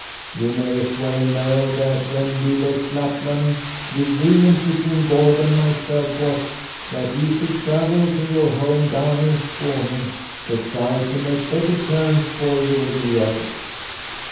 You may as well know that when we left Lapland the agreement between Gorgo and myself was that he should travel to your home down in Skåne to try to make better terms for you with the elf."